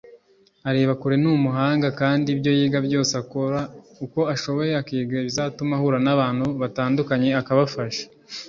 Arebakure ni umuhanga kandi ibyo yiga byose akora uko ashoboye akiga ibizatuma ahura n’abantu batandukanye akabafasha